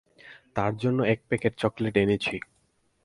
তার জন্যে এক প্যাকেট চকলেট এনেছি।